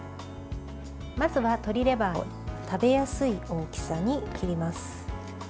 まずは鶏レバーを食べやすい大きさに切ります。